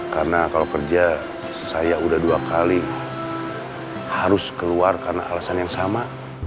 karena kalau kerja saya udah dua kali harus keluar karena alasan yang sama